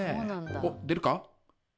おっ出るか？